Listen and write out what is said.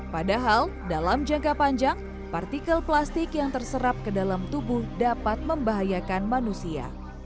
padahal dalam jangka panjang partikel plastik yang terserap ke dalam tubuh dapat membahayakan manusia